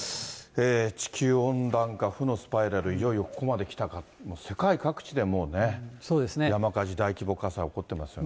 地球温暖化、負のスパイラル、ここまできたかと、世界各地でもうね、山火事、大規模火災、起こってますよね。